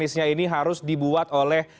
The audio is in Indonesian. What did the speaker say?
ini harus dibuat oleh